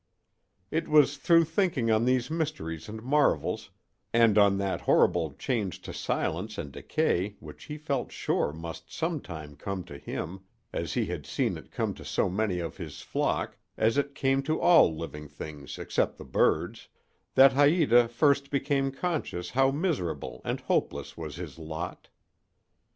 It was through thinking on these mysteries and marvels, and on that horrible change to silence and decay which he felt sure must some time come to him, as he had seen it come to so many of his flock—as it came to all living things except the birds—that Haïta first became conscious how miserable and hopeless was his lot.